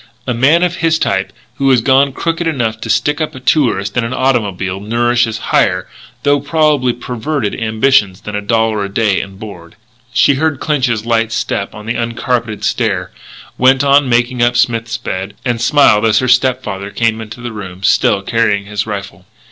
A man of his type who has gone crooked enough to stick up a tourist in an automobile nourishes higher though probably perverted ambitions than a dollar a day and board. She heard Clinch's light step on the uncarpeted stair; went on making up Smith's bed; and smiled as her step father came into the room, still carrying his rifle.